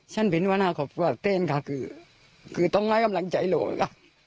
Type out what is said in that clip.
ฉันเป็นวรรณาของเต้นค่ะคือต้องร้ายกำลังใจโลกค่ะ